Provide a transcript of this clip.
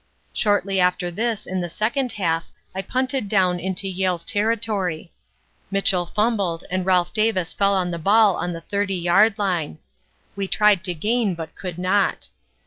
"Shortly after this in the second half I punted down into Yale's territory. Mitchell fumbled and Ralph Davis fell on the ball on the 30 yard line. We tried to gain, but could not.